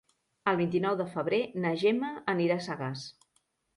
El vint-i-nou de febrer na Gemma anirà a Sagàs.